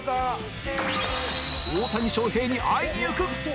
大谷翔平に会いに行く！